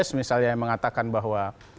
misalnya yang mengatakan bahwa